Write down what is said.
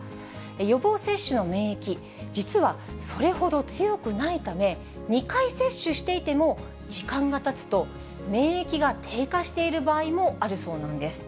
予防接種の免疫、実はそれほど強くないため、２回接種していても、時間がたつと免疫が低下している場合もあるそうなんです。